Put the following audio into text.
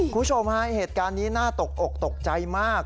คุณผู้ชมฮะเหตุการณ์นี้น่าตกอกตกใจมาก